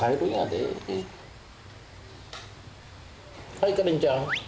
はいかりんちゃん。